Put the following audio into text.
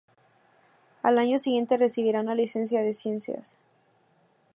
Al año siguiente, recibirá una licencia en Ciencias.